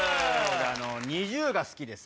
ＮｉｚｉＵが好きでさ。